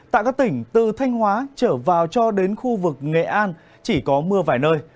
tại các tỉnh từ thanh hóa trở vào cho đến khu vực nghệ an chỉ có mưa vài nơi